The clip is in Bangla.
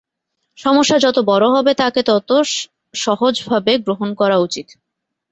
সমস্যা যত বড় হবে, তাকে তাত সহজভাবে গ্রহণ করা উচিত।